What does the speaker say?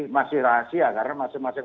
masih rahasia karena masing masing